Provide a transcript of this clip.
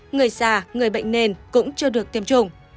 người già người bệnh nền cũng chưa được tiêm chủng